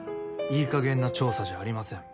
いいかげんな調査じゃありません。